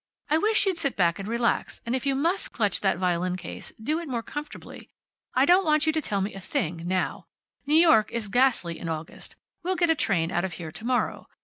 "I wish you'd sit back, and relax, and if you must clutch that violin case, do it more comfortably. I don't want you to tell me a thing, now. New York is ghastly in August. We'll get a train out of here to morrow.